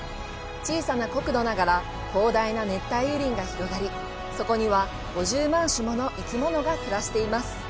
小さな国土ながら広大な熱帯雨林が広がりそこには５０万種もの生き物が暮らしています！